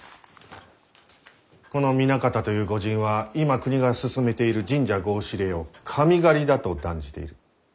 この南方という御仁は今国が進めている神社合祀令を「神狩り」だと断じている。